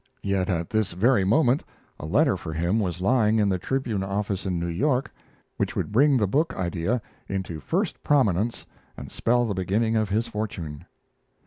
Yet at this very moment a letter for him was lying in the Tribune office in New York which would bring the book idea into first prominence and spell the beginning of his fortune.